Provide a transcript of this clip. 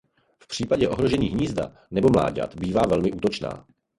V případě ohrožení hnízda nebo mláďat bývá velmi útočná.